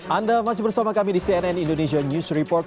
anda masih bersama kami di cnn indonesia news report